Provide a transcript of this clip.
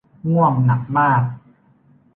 ง่วงหนักมาก